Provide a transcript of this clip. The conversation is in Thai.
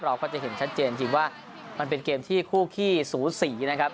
เราก็จะเห็นชัดเจนจริงว่ามันเป็นเกมที่คู่ขี้สูสีนะครับ